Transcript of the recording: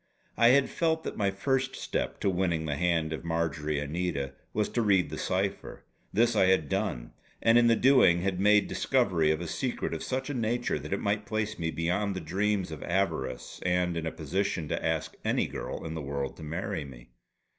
I had felt that my first step to winning the hand of Marjory Anita was to read the cipher. This I had done; and in the doing had made discovery of a secret of such a nature that it might place me beyond the dreams of avarice, and in a position to ask any girl in the world to marry me.